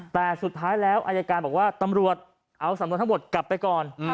แต่สุดท้ายแล้วอายการบอกว่าตำรวจเอาสำนวนทั้งหมดกลับไปก่อน